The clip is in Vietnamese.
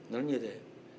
nó như thế